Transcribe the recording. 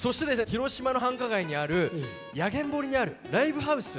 広島の繁華街にある薬研堀にあるライブハウス